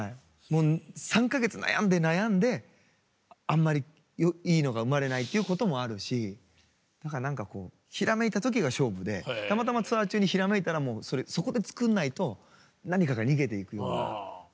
もう３か月悩んで悩んであんまりいいのが生まれないっていうこともあるしだから何かこうひらめいた時が勝負でたまたまツアー中にひらめいたらそこで作んないと何かが逃げていくような。